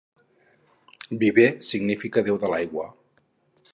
Viver significa déu de l'aigua.